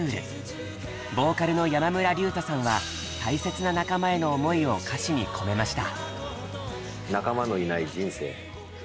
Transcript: ボーカルの山村隆太さんは大切な仲間への思いを歌詞に込めました。